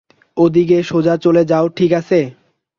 ঐদিকে সোজা চলে যাও ঠিক আছে।